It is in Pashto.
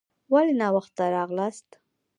ولي ناوخته راغلاست؟